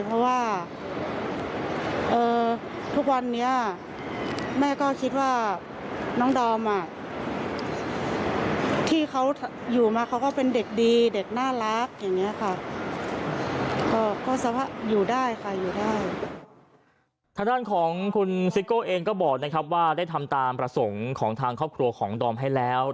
ทางด้านของคุณซิโก้เองก็บอกนะครับว่าได้ทำตามประสงค์ของทางครอบครัวของดอมให้แล้ว